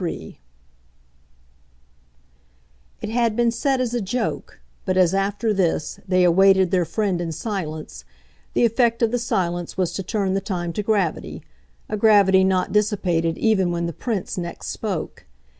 III It had been said as a joke, but as, after this, they awaited their friend in silence, the effect of the silence was to turn the time to gravity a gravity not dissipated even when the Prince next spoke.